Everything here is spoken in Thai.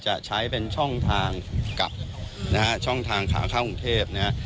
จะใช้เป็นช่องทางกับนะฮะช่องทางขาเข้ากรุงเทพนะฮะ